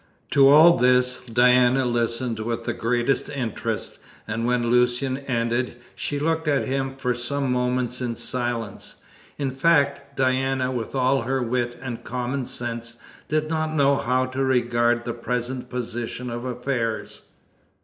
To all this Diana listened with the greatest interest, and when Lucian ended she looked at him for some moments in silence. In fact, Diana, with all her wit and common sense, did not know how to regard the present position of affairs.